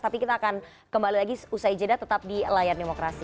tapi kita akan kembali lagi usai jeda tetap di layar demokrasi